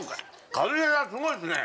辛みがすごいですね。